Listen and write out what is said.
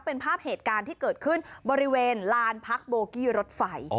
เป็นภาพเหตุการณ์ที่เกิดขึ้นบริเวณลานพักโบกี้รถไฟ